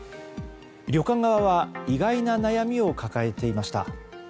旅館側は意外な悩みを抱えていました。